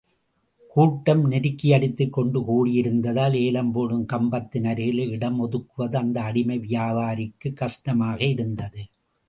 கூட்டம் நெருக்கியடித்துக் கொண்டு கூடியிருந்ததால், ஏலம்போடும் கம்பத்தின் அருகிலே, இடம் ஒதுக்குவது அந்த அடிமை வியாபாரிக்குக் கஷ்டமாக இருந்தது.